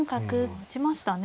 打ちましたね。